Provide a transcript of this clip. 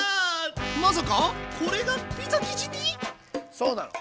まさかこれがピザ生地に⁉そうなの。